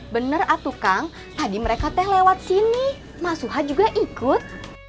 bener a tukang tadi mereka teh lewat sini mas suha juga ikut